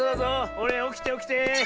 ほれおきておきて。